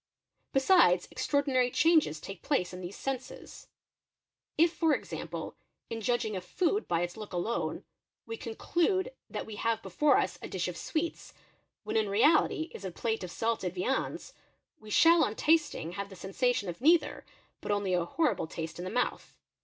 Besides extraordinary changes take place in these senses. If for example ir judging of food by its look alone, we conclude that we have before us a dish of sweets when in reality it is a plate of salted viands, we shall on tasting have the sensation of neither, but only a horrible taste im the mouth.